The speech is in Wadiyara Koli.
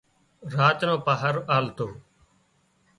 راچ نان پاهرو آلتو